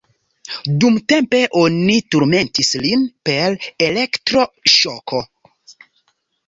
Dumtempe oni turmentis lin per elektro-ŝoko.